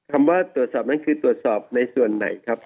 คำว่าตรวจสอบนั้นคือตรวจสอบในส่วนไหนครับ